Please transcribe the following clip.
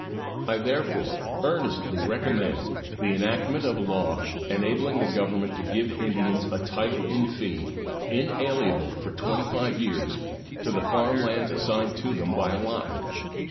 I therefore earnestly recommend the enactment of a law enabling the Government to give Indians a title in fee, inalienable for twenty five years, to the farm lands assigned to them by allotment.